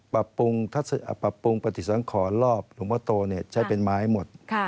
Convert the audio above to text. ปรับปรุงปฏิสังขรรอบหลวงพ่อโตใช้เป็นไม้หมด